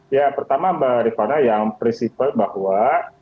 ya pertama mbak rifana yang prinsipal bahwa